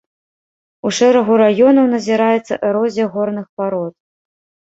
У шэрагу раёнаў назіраецца эрозія горных парод.